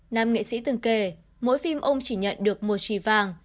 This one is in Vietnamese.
nam nghệ sĩ từng kề mỗi phim ông chỉ nhận được một trì vàng